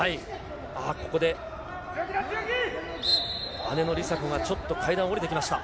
ああ、ここで、姉の梨紗子がちょっと階段を下りてきました。